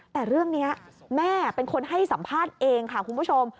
แต่เรื่องนี้แม่เป็นคนให้สัมภาษณ์เองค่ะคุณผู้ชม